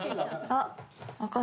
あっ。